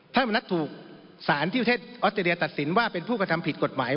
มณัฐถูกสารที่ประเทศออสเตรเลียตัดสินว่าเป็นผู้กระทำผิดกฎหมาย